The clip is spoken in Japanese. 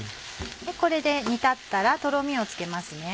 これで煮立ったらとろみをつけます。